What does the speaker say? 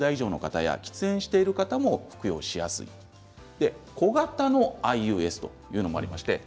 ４０代以上の方や喫煙している方も服用しやすいそして小型のＩＵＳというのもあります。